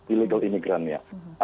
illegal imigran ya